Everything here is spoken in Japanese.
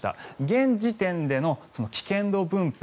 現時点での危険度分布